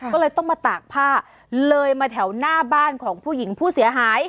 ก็เลยต้องมาตากผ้าเลยมาแถวหน้าบ้านของผู้หญิงผู้เสียหาย